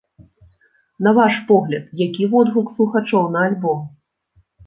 На ваш погляд, які водгук слухачоў на альбом?